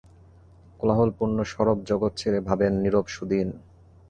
কোলাহলপূর্ণ সরব জগৎ ছেড়ে ভাবেন নীরব সুদিন।